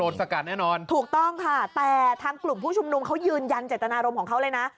ใช่ถูกต้องค่ะแต่ทั้งกลุ่มผู้ชมรุมเขายืนยันจัตนารมณ์ของเขาเลยนะ